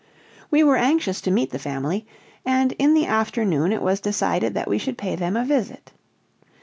We were anxious to meet the family, and in the afternoon it was decided that we should pay them a visit.